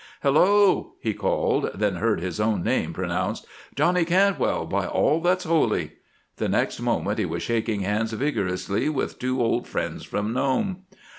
"Hello!" he called, then heard his own name pronounced. "Johnny Cantwell, by all that's holy!" The next moment he was shaking hands vigorously with two old friends from Nome.